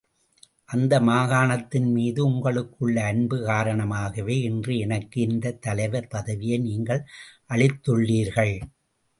அந்த மாகாணத்தின் மீது உங்களுக்குள்ள அன்பு காரணமாகவே இன்று எனக்கு இந்த தலைவர் பதவியை நீங்கள் அளித்துள்ளீர்கள்.